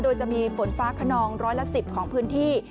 โดยจะมีฝนฟ้าขนองร้อยละ๑๐ของพื้นที่